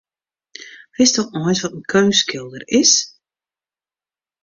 Witsto eins wat in keunstskilder is?